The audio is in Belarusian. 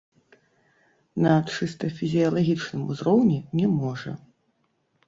На чыста фізіялагічным узроўні не можа.